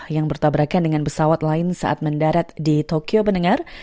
yang bertabrakan dengan pesawat lain saat mendarat di tokyo benengar